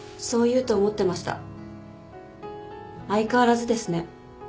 相変わらずですね。